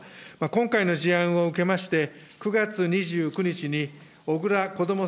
今回の事案を受けまして、９月２９日に、小倉こども